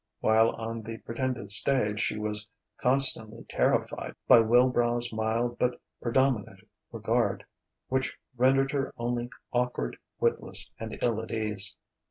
While on the pretended stage she was constantly terrified by Wilbrow's mild but predominant regard, which rendered her only awkward, witless, and ill at ease.